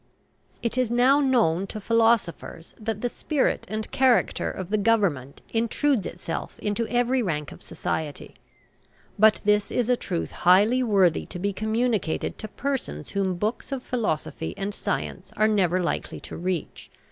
It is now known to philosophers that the spirit and character of the Government intrudes itself into every rank of society. But this is a truth highly worthy to be communicated to persons whom books of philosophy and science are never likely to reach.